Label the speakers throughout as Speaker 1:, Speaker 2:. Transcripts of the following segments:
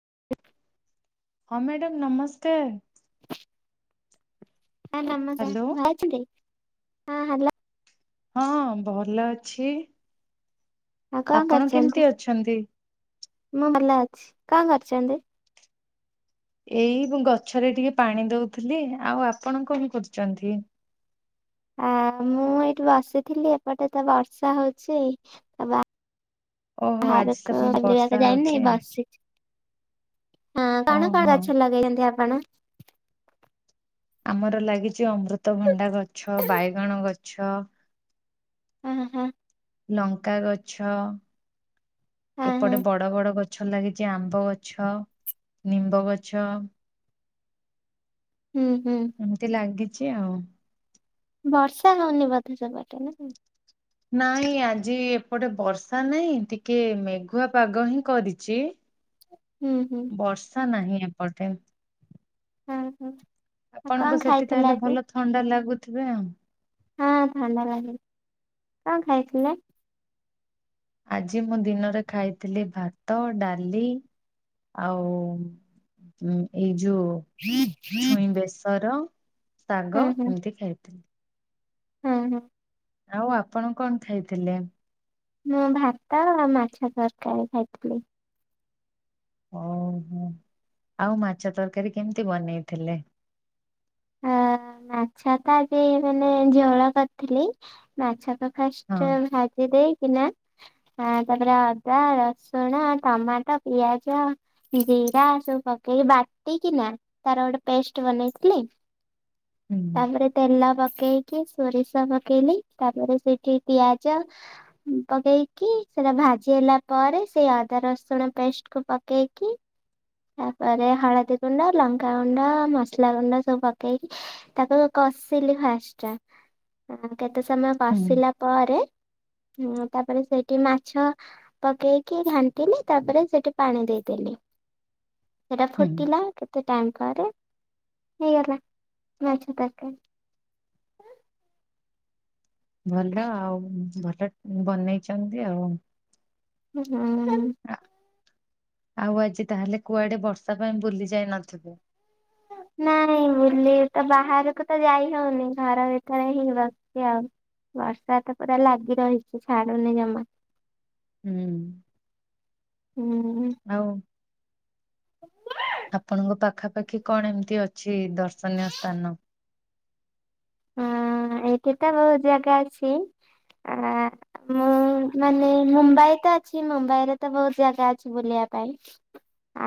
Speaker 1: [inaudible]
Speaker 2: ହଁ ମ୍ୟାଡ଼ାାମ ନମସ୍କାର। ହ୍ୟାଲୋ
Speaker 1: [unintelligible]
Speaker 2: ହଁ ହଁ ଭଲ ଅଛି।
Speaker 1: ଆଉ କଁ
Speaker 2: ଆପଣ କେମିତି
Speaker 1: କରିଛନ୍ତି
Speaker 2: ଅଛନ୍ତି?
Speaker 1: ମୁଁ ଭଲ ଅଛି କଁ କରିଛନ୍ତି।
Speaker 2: ଏଇ ମୁ ଗଛରେ ଟିକେ ପାଣି ଦଉଥିଲି ଆଉ ଆପଣ କଣ କରୁଛନ୍ତି।
Speaker 1: ଆ ମୁଁ ଏଇଠି ବସିଥିଲି ଏପଟେ ତ ବର୍ଷା ହଉଛି ଆ
Speaker 2: ଓହୋ ଆଜି ତ
Speaker 1: ବାହରକୁ
Speaker 2: ବର୍ଷା
Speaker 1: ବୁଲିବାକୁ ଯାଇନି
Speaker 2: ହଉଛି
Speaker 1: ବସିଚି। ହଁ କଣ ଣ
Speaker 2: ଓହୋ
Speaker 1: ଗଛ ଲଗେଇଛନ୍ତି ଆପଣ।
Speaker 2: ଆମର ଲାଗିଛି ଅମୃତଭଣ୍ଡା ଗଛ ବାଇଗଣ ଗଛ
Speaker 1: ଅ ହଁ।
Speaker 2: ଲଙ୍କା ଗଛ
Speaker 1: ହଁ ହଁ
Speaker 2: ଏପଟେ ବଡ ବଡ ଗ ଛ ଲାଗିଛି ଆମ୍ବ ଗଛ ନିମ୍ବ ଗଛ
Speaker 1: ହୁଁ ହୁଁ।
Speaker 2: ଏମତି ଲାଗିଛି ଆଉ।
Speaker 1: ବର୍ଷା ହଉନି ବଧେ ସେପଟେ ନା କଣ।
Speaker 2: ନାଇଁ ଆଜି ଏପଟେ ବର୍ଷା ନାହିଁ ଟିକେ ମେଘୁଆ ପାଗ ହିଁ କରିଚି।
Speaker 1: ହୁଁ ହୁଁ।
Speaker 2: ବର୍ଷା ନାହିଁ ଏପଟେ।
Speaker 1: ହୁଁ ହୁଁ।
Speaker 2: ଆପଣଙ୍କୁ ସେଠି ତାହେଲେ ଭଲ ଥଣ୍ଡା ଲାଗୁଥିବେ ଆଉ।
Speaker 1: ହଁ ଥଣ୍ଡା ଲାଗେ କଁ ଖାଇଥିଲେ।
Speaker 2: ଆଜି ମୁଁ ଦିନରେ ଖାଇଥିଲି ଭାତ ଡାଲି ଆଉ ଏଇ ଯୋଉ
Speaker 1: ହୁଁ ହୁଁ
Speaker 2: ଛୁଇଁ ବେସର ଶାଗ ଏମିତି ଖାଇଥିଲି।
Speaker 1: ହୁଁ ହୁଁ।
Speaker 2: ଆଉ ଆପଣ କଁ ଖାଇଥିଲେ?
Speaker 1: ମୁଁ ଭାତ ଆଉ ମାଛ ତରକାରୀ ଖାଇଥିଲି।
Speaker 2: ଓହୋ ଆଉ ମାଛ ତରକାରୀ କେମିତି ବନେଇଥିଲେ?
Speaker 1: ଅ ମାଛ ତ ଆଜି ମାନେ ଝୋଳ କରିଥିଲି। ମାଛ ତ୍
Speaker 2: ହଁ
Speaker 1: ଫାଷ୍ଟ ଭାଜିି ଦେଇ କି ନା ଆଁ ତାପରେ ଅଦା ରସୁଣ ଟମାଟୋ ପିଆଜ ଜିରା ସବୁ ପକେଇକି ବାଟିକିନା ତାର ଗୋଟେ ପେଷ୍ଟ ବନେଇଥିଲି।
Speaker 2: ହୁଁ
Speaker 1: ତାପରେ ତେଲ ପକେଇକି ସୋରିଷ ପକେଇଲି ତାପରେ ସେଠି ପିଆଜ ପକେଇକି ସେଟା ଭାଜି ହେଲା ପରେ ସେଇ ଅଦା ରସୁଣ ପେଷ୍ଟ କୁ ପକେଇକି ତାପରେ ହଳଦୀ ଗୁଣ୍ଡ ଲଙ୍କାଗୁଣ୍ଡ ମସଲା ଗୁଣ୍ଡ ସବୁ ପକେଇକି ତାକୁ କସିଲି ଫାଷ୍ଟ କେତେ ସମୟ
Speaker 2: ହୁଁ
Speaker 1: କସିଲା ପରେ ହୁଁ ତାପରେ ସେଇଠି ମାଛ ପକେଇକି ଘାଣ୍ଟିଲି ତାପରେ ସେଠି ପାଣି ଦେଇଦେଲି। ସେଇଟା
Speaker 2: ହୁଁ
Speaker 1: ଫୁଟିଲା କେତେ ଟାଇମ୍ ପରେ ହେଇଗଲା ମାଛ ତରକାରୀ।
Speaker 2: ଭଲ ଆଉ ଭଟ ଟ୍ ବନେଇଛନ୍ତି ଆଉ
Speaker 1: ହୁଁ।
Speaker 2: ଆ ଆଉ ଆଜି ତାହେଲେ କୁଆଡେ ବର୍ଷା ପାଇଁ ବୁଲି ଯାଇ ନଥିବେ?
Speaker 1: ନାଇଁ ବୁଲି ତ ବାହାରକୁ ତ ଯାଇ ହଉନି ଘର ଭିତରେ ହିଁ ବ ଆଉ ବର୍ଷା ତ ପୁରା ଲାଗି ରହିଛି ଛାଡୁନି ଜମା
Speaker 2: ହୁଁ।
Speaker 1: ହୁଁ।
Speaker 2: ଆଉ
Speaker 1: [inaudible]
Speaker 2: ଆପଣଙ୍କ ପାଖାପାଖି କଣ ଏମିତି ଅଛି ଦର୍ଶନୀୟ ସ୍ଥାନ?
Speaker 1: ଆଁ ଏମିତି ତ ବହୁତ ଜାଗା ଅଛି ଆ ମୁଁ ମାନେ ମୁମ୍ବାଇ ତ ଅଛି ମୁମ୍ବାଇରେ ତ ବହୁତ ଜାଗା ଅଛି ବୁଲିବା ପାଇଁ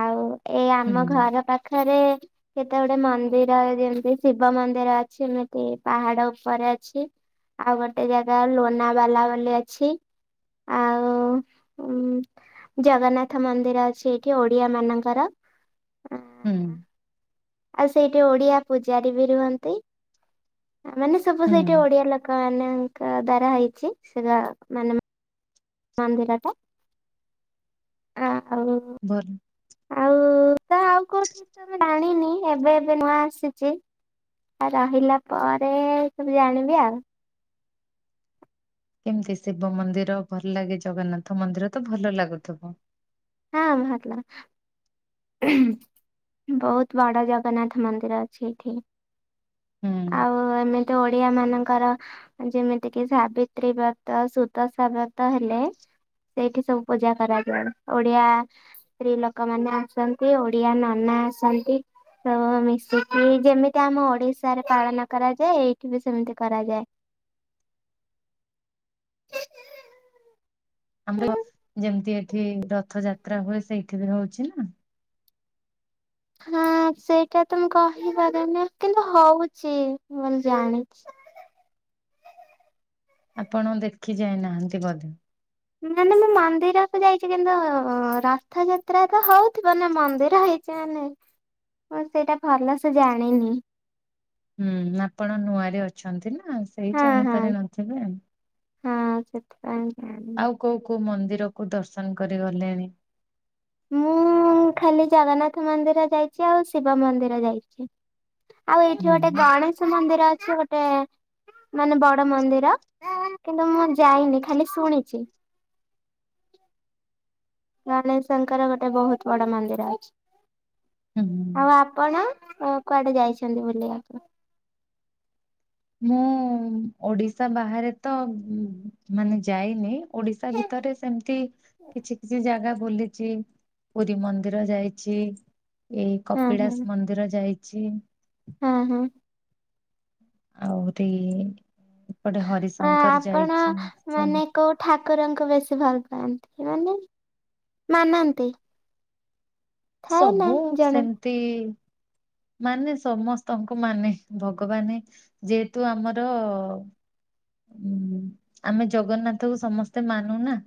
Speaker 1: ଆଉ ଏଇ
Speaker 2: ହୁଁ
Speaker 1: ଆମ ଘର ପା ପାଖରେ କେତେ ଗୁଡେ ମନ୍ଦିର ଯେମିତି ଶିବ ମନ୍ଦିର ଅଛି ଏମି ତି ପାହାଡ ଉପରେ ଅଛି ଆଉ ଗୋଟେ ଜାଗା ଲୋନାବାଲା ବୋଲି ଅଛି। ଆଉ ଉଁ ଜଗନ୍ନାଥ ମନ୍ଦିର ଅଛି ଏଇଠି ଓଡିଆ ମାନଙ୍କର।
Speaker 2: ହୁଁ।
Speaker 1: ଆଉ ସେଇଠି ଓଡିଆ ପୂଜାରୀ ବି ରୁହନ୍ତି ମାନେ ସବୁ
Speaker 2: ହୁଁ
Speaker 1: ସେଇଠି ଓଡିଆ ଲୋକ। କ ମାନଙ୍କ ଦ୍ୱାରା ହେଇଛି ସେଗାରା ମାନେ ମନ୍ଦିରଟା ଆଉ
Speaker 2: ଭର୍ନ।
Speaker 1: ଆଉ ତ ଆଉ କୋଉଠି ତମେ ଜାଣିନି ଏବେ ଏବେ ନୂଆ ଆସିଚି। ଆ ରହିଲା ପରେ ସବୁ ଜାଣିବି ଆଉ
Speaker 2: କେମିତି ଶିବ ମନ୍ଦିର ଭଲ ଲାଗେ ଜଗନ୍ନାଥ ମନ୍ଦିର ତ ଭଲ ଲାଗୁଥୁବ?
Speaker 1: ହଁ ଭଲ। ବହୁତ ବଡ ଜଗନ୍ନାଥ ମନ୍ଦିର ଅଛି ଏଠି।
Speaker 2: ହୁଁ
Speaker 1: ଆଉ ଏମିତି ଓଡିଆ ମାନଙ୍କର ଯେମିତି କିି ସାବିତ୍ରୀ ବ୍ରତ, ସୁଦଶା ବ୍ରତ ହେଲେ ସେଇଠି ସବୁ ପୂଜା କରାଯାଏ ଓଡିଆ ସ୍ତ୍ରୀ ଲୋକମାନେ ଆସନ୍ତି ଓଡିଆ ନନା ଆସନ୍ତି। ତ ମିଶିକି ଯେମିତି ଆମ ଓଡିଶାରେ ପାଳନ କରାଯାଏ ଏଇଠି ବି ସେମିତି କରାଯାଏ।
Speaker 2: ଆମ୍ଲ ଯେମିତି ଏଠି ରଥଯାତ୍ରା ହୁଏ ସେଇଠି ବି ହଉଛି ନା।
Speaker 1: ହଁ ସେଇଟା ତ ମୁଁ କହିପାରୁନି କିନ୍ତୁ ହଉଚି ବୋଲି ଜାଣିଚି।
Speaker 2: ଆପଣ ଦେଖି ଯାଇନାହାନ୍ତି ବଧେ।
Speaker 1: ମାନେ ମୁଁ ମନ୍ଦିରକୁ ଯାଇଚି କିନ୍ତୁ ଉ ଉ ରଥଯାତ୍ରା ତ ହଉଥିବ ନା ମନ୍ଦିର ହେଇ [unintelligible] ମୁଁ ସେଇଟା ଭଲ ସେ ଜାଣିନି।
Speaker 2: ହୁଁ ଆପଣ ନୂଆରେ ଅଛନ୍ତି ନା ସେଇ
Speaker 1: ହଁ ହଁ
Speaker 2: ଜାଣିପାରିନଥିବେ।
Speaker 1: ହଁ ସେ
Speaker 2: ଆଉ କୋଉ କୋଉ ମନ୍ଦିର କୁ ଦର୍ଶନ କରି ଗଲେଣି?
Speaker 1: ମୁଁ ଖାଲି ଜଗନ୍ନାଥ ମନ୍ଦିର ଯାଇଚି ଆଉ ଶିବ ମନ୍ଦିର ଯାଇଚି। ଆଉ ଏଇଠି
Speaker 2: ହୁଁ
Speaker 1: ଗୋଟେ ଗଣେଶ ମନ୍ଦିର ଅଛି ଗୋଟେ। ମାନେ ବଡ ମନ୍ଦିର କିନ୍ତୁ ମୁଁ ଯାଇନି ଖାଲି ଶୁଣିଚି। ଗଣେଶ ଙ୍କର ଗୋଟେ ବହୁତ ବଡ ମନ୍ଦିର ଅଛି
Speaker 2: ହୁଁ।
Speaker 1: ଆଉ ଆ କଣ କୁଆଡେ ଯାଇଛନ୍ତି ବୁଲିଆକୁ?
Speaker 2: ମୁଁ ଓଡିଶା ବାହାରେ ତ ଉଁ ମାନେ ଯାଇନି। ଓଡିଶା ଭିତରେ ସେମିତି କିଛି କିଛି ଜାଗା ବୁଲି ଚି ପୁରୀ ମନ୍ଦିର ଯାଇଚି ଏଇ
Speaker 1: ହଁ ହଁ
Speaker 2: କପିଳାସ ମନ୍ଦିର ଯାଇଚି।
Speaker 1: ହଁ ହଁ।
Speaker 2: ଆହୁରି ଏପଟେ
Speaker 1: ଆ
Speaker 2: ହରିଶଙ୍କର
Speaker 1: ଆପଣ
Speaker 2: ଯାଇଛି ସବୁ।
Speaker 1: ମାନେ କୋଉ ଠାକୁରଙ୍କୁ ବେଶୀ ଭଲ ପାଆନ୍ତି ମାନେ ମାନନ୍ତି। ଥାଏ ନା
Speaker 2: ସବୁ
Speaker 1: ଜଣେ
Speaker 2: ସେମିତି। ମାନେ ସମସ୍ତଙ୍କୁ ମାନେ ଭଗବାନେ ଯେହେତୁ ଆମର। ଉୁଁ ହୁଁ ଆମେ ଜଗନ୍ନାଥ କୁ ସମସ୍ତେ ମାନୁନା।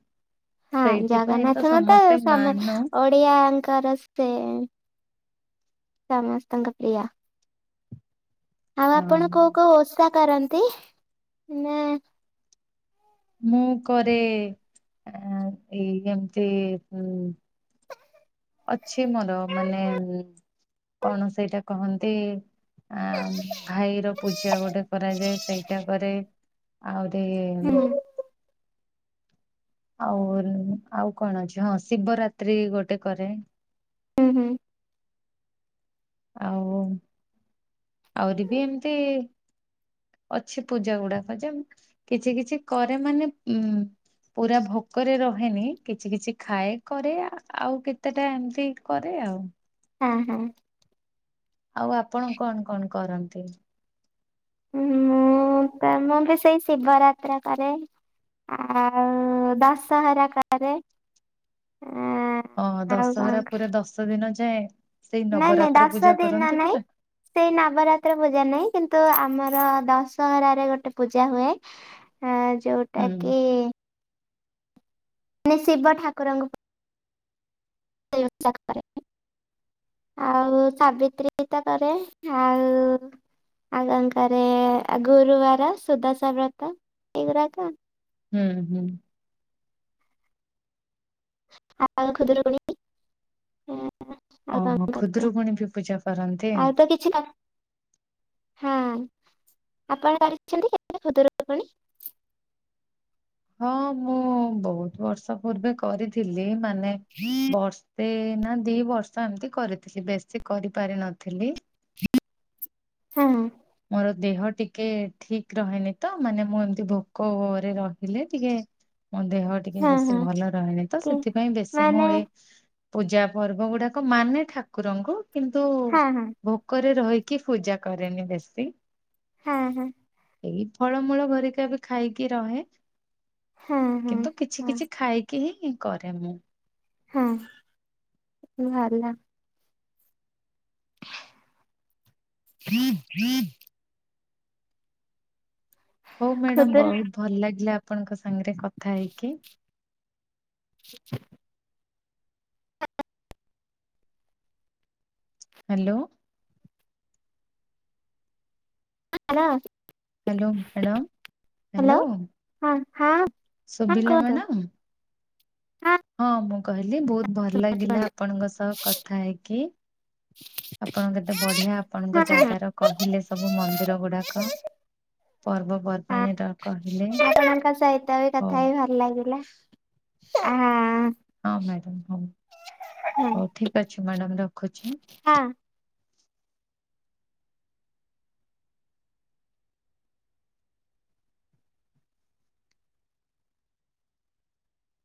Speaker 1: ହଁ
Speaker 2: ସେଇଥିପାଇଁ
Speaker 1: ଜଗନ୍ନାଥଙ୍କୁ ତ
Speaker 2: ସମସ୍ତେ
Speaker 1: ସମ
Speaker 2: ମାନୁ
Speaker 1: ଓଡିଆଙ୍କର ସେ ସମସ୍ତଙ୍କ ପ୍ରିୟ। ଆଉ
Speaker 2: ହଁ
Speaker 1: ଆପଣ କୋଉ କୋଉ ଓଷା କରନ୍ତି ନା?
Speaker 2: ମୁଁ କରେ ଆ ଏଇ ଏମତି ଉଁ ଅଛି ମୋର ମାନେ କଣ ସେଇଟା କହନ୍ତି। ଆଁ ଭାଇ ର ପୂଜା ଗୋଟେ କରାଯାଏ ସେଇଟା କରେ। ଆଉରି।
Speaker 1: ହୁଁ ହୁଁ
Speaker 2: ଆଉ ଆଉ କଣ ଝ ହଁ ଶିବରାତ୍ରି ଗୋଟେ କରେ।
Speaker 1: ହୁଁ ହୁଁ।
Speaker 2: ଆଉ ଆଉରି ବି ଏମତି। ଅଛି ପୂଜା ଗୁଡାକ ଯେ କିଛି କିଛି କରେ ମାନେ ଉ ପୁରା ଭୋକରେ ରହେନି କିଛି କିଛି ଖାଏ କରେ ଆଉ କେତେଟା ଏମିତି କରେ ଆଉ।
Speaker 1: ହଁ ହଁ।
Speaker 2: ଆଉ ଆପଣ କଣ କଣ କରନ୍ତି?
Speaker 1: ମୁଁ ତ ମୁଁ ବି ସେଇ ଶିବ ରାତ୍ର କରେ। ଆଉ ଦଶହରା କରେ ଆ
Speaker 2: ହଁ
Speaker 1: ଆଉ କଣ
Speaker 2: ଦଶହରା ପୁରା ଦଶ ଦିନ ଯାଏଁ ସେଇ
Speaker 1: ନାଇଁ ନାଇଁ
Speaker 2: ନବରାତ୍ର
Speaker 1: ଦଶ
Speaker 2: ପୂଜା
Speaker 1: ଦିନ
Speaker 2: କରନ୍ତି
Speaker 1: ନାଇଁ
Speaker 2: ପୁରା।
Speaker 1: ସେଇ ନବରାତ୍ର ପୂଜା ନାହିଁ କିନ୍ତୁ ଆମର ଦଶହରାରେ ଗୋଟେ ପୂଜା ହୁଏ। ଆ
Speaker 2: ହୁଁ
Speaker 1: ଯୋଉଟା କି ମାନେ ଶିବ ଠାକୁରଙ୍କୁ [inaudible] ଆଉ ସାବିତ୍ରୀତ କରେ ଆଉ। ଆଉ ଙ୍କଣ କରେ ଗୁରୁବାର ସୁଦାଶ ବ୍ରତ ଏଇଗୁରାକ।
Speaker 2: ହୁଁ ହୁଁ।
Speaker 1: ଆଉ ଖୁଦରୁକୁଣି
Speaker 2: ଓହୋ ଖୁଦୁରୁକୁୁଣୀ ବି ପୂଜା କରନ୍ତି?
Speaker 1: ଆଉ ତ ହଁ ଆପଣ କରିଛନ୍ତି କେବେ ଖୁଦୁରୁକୁଣୀ।
Speaker 2: ହଁ ମୁଁ ବହୁତ ବର୍ଷ ପୂର୍ବେ କରିଥିଲି ମାନେ।
Speaker 1: [inaudible]
Speaker 2: ବର୍ଷେ ନା ଦି ବର୍ଷ ଏମତି କରିଥିଲି ବେଶୀ କରିପାରି ନଥିଲି।
Speaker 1: ହୁଁ
Speaker 2: ମୋର ଦେହ ଟିକେ ଠିକ୍ ରହେନି ତ ମାନେ ମୁଁ ଏମତି ଭୋକରେ ରହିଲେ ଟିକେ ମୋ ଦେହ ଟିକେ
Speaker 1: ହଁ
Speaker 2: ବେଶୀ
Speaker 1: ହଁ
Speaker 2: ଭଲ ରହେନି ତ
Speaker 1: କି
Speaker 2: ସେଥିପାଇଁ ବେଶୀ ମୁଁ
Speaker 1: ମାନେ
Speaker 2: ଏଇ ପୂଜା ପର୍ବ ଗୁଡାକ ମାନେ ଠାକୁରଙ୍କୁ କିନ୍ତୁ
Speaker 1: ହଁ ହଁ
Speaker 2: ଭ ଭୋକରେ ରହିକି ପୂଜା କରେନି ବେଶୀ
Speaker 1: ହଁ ହଁ।
Speaker 2: ଏଇ ଫଳମୂଳ ଘରିକା ବି ଖାଇକି ରହେ।
Speaker 1: ହଁ ହଁ
Speaker 2: କିନ୍ତୁ କିଛି
Speaker 1: ହଁ
Speaker 2: କିଛି ଖାଇକି ହିଁ କରେ ମୁଁ
Speaker 1: ହଁ ଭଲ [inaudible]
Speaker 2: ହଉ ମ୍ୟାଡାମ
Speaker 1: ଖୁଦୁରୁ
Speaker 2: ବହୁତ ଭଲ ଲାଗିଲା ଆପଣଙ୍କ ସାଙ୍ଗରେ କଥା ହେଇକି।
Speaker 1: [inaudible]
Speaker 2: Hello.
Speaker 1: Hello.
Speaker 2: Hello madam hello
Speaker 1: hello ହ ହଁ ହଁ
Speaker 2: ଶୁଭିଲା
Speaker 1: [unintelligible]
Speaker 2: ମ୍ୟାଡ଼ାମ? ହଁ ମୁଁ କହିଲି ବହୁତ ଭଲ ଲାଗିଲା
Speaker 1: କୁହନ୍ତୁ।
Speaker 2: ଆପଣଙ୍କ ସହ କଥା ହେଇକି ଆପଣ କେତେ ବଢିଆ ଆପଣଙ୍କ
Speaker 1: ହଁ ହଁ।
Speaker 2: ଜାଗାର କହିଲେ ସବୁ ମନ୍ଦିର ଗୁଡାକ ପର୍ବପର୍ବାଣି କହିଲେ
Speaker 1: ତାଙ୍କ ସହିତ ବି
Speaker 2: ହଉ
Speaker 1: କଥା ହେଇ ଭଲ ଲାଗିଲା ଥା
Speaker 2: ହଁ ମ୍ୟାଡ଼ମ୍ ହଉ ହଉ ଠିକ ଅଛି ମ୍ୟାଡ଼ମ୍ ରଖୁଛି।
Speaker 1: ହଁ।